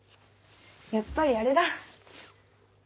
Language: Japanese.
やっぱりあれだ。